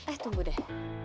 eh tunggu deh